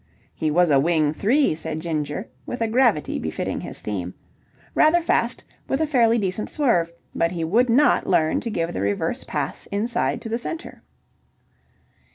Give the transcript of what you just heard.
"He was a wing three," said Ginger with a gravity befitting his theme. "Rather fast, with a fairly decent swerve. But he would not learn to give the reverse pass inside to the centre."